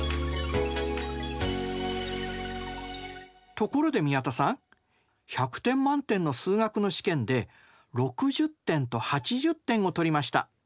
ところで宮田さん１００点満点の数学の試験で６０点と８０点を取りました。